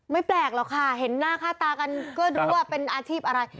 แปลกหรอกค่ะเห็นหน้าค่าตากันก็รู้ว่าเป็นอาชีพอะไร